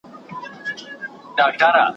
تا مي له سیوري بېلولای نه سم `